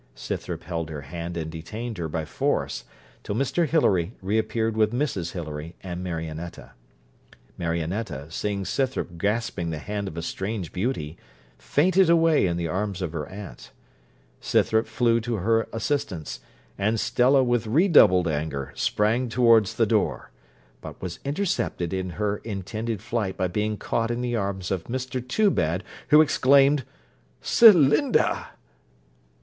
Scythrop held her hand and detained her by force, till Mr Hilary reappeared with Mrs Hilary and Marionetta. Marionetta, seeing Scythrop grasping the hand of a strange beauty, fainted away in the arms of her aunt. Scythrop flew to her assistance; and Stella with redoubled anger sprang towards the door, but was intercepted in her intended flight by being caught in the arms of Mr Toobad, who exclaimed 'Celinda!'